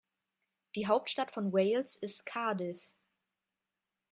Die Hauptstadt von Wales ist Cardiff.